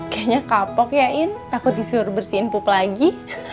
kayaknya kapok ya in takut disuruh bersihin pup lagi